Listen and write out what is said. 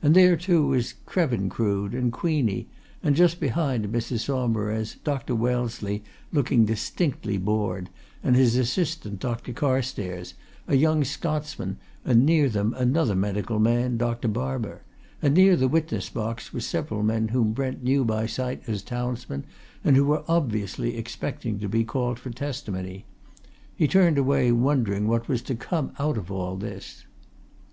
And there, too, was Krevin Crood, and Queenie, and, just behind Mrs. Saumarez, Dr. Wellesley, looking distinctly bored, and his assistant, Dr. Carstairs, a young Scotsman, and near them another medical man, Dr. Barber; and near the witness box were several men whom Brent knew by sight as townsmen and who were obviously expecting to be called for testimony. He turned away wondering what was to come out of all this.